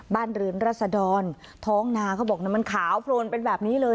บ้านเรือนรัศดรท้องนาเขาบอกมันขาวโพลนเป็นแบบนี้เลย